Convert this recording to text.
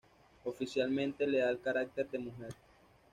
Oficialmente, le da el carácter de "mujer".